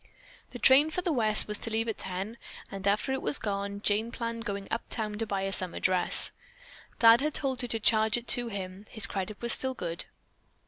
The train for the West was to leave at 10, and after it was gone, Jane planned going uptown to buy a summer dress. Dad had told her to charge it to him. His credit was still good.